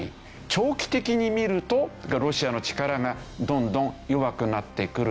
長期的に見るとロシアの力がどんどん弱くなってくるんじゃないか。